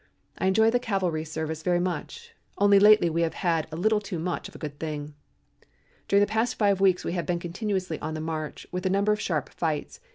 I enjoy the cavalry service very much, only lately we have had a little too much of a good thing. During the past five weeks we have been continuously on the march, with a number of sharp fights.